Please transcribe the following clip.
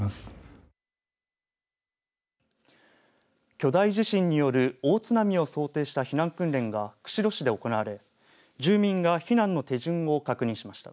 巨大地震による大津波を想定した避難訓練が釧路市で行われ住民が避難の手順を確認しました。